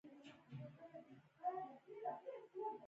رئیس جمهور خپلو عسکرو ته امر وکړ؛ دښمن ته د تسلیمېدو وخت ورکړئ!